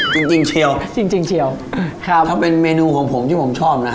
จริงจริงเชียวจริงจริงเชียวครับถ้าเป็นเมนูของผมที่ผมชอบนะฮะ